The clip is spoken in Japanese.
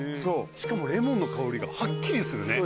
しかもレモンの香りがはっきりするね。